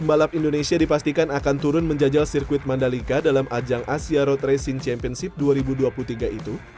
pembalap indonesia dipastikan akan turun menjajal sirkuit mandalika dalam ajang asia road racing championship dua ribu dua puluh tiga itu